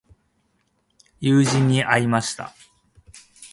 友人に会いました。